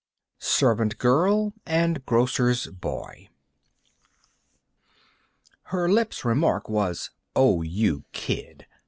Servant Girl and Grocer's Boy Her lips' remark was: "Oh, you kid!"